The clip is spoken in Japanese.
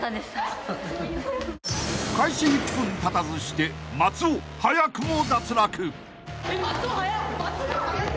［開始１分たたずして松尾早くも脱落］